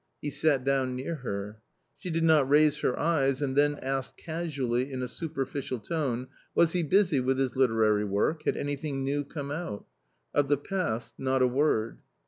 He sat down near her. She did not raise her eyes, and then asked casually, in a superficial tone, was he busy with his literary work, had anything new come out? Of the past not a word.